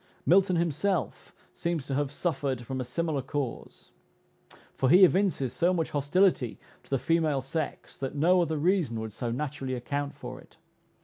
Milton himself seems to have suffered from a similar cause, for he evinces so much hostility to the female sex, that no other reason would so naturally account for it.